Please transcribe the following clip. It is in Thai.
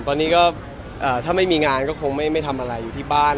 ตอนนี้ก็ถ้าไม่มีงานก็คงไม่ทำอะไรอยู่ที่บ้าน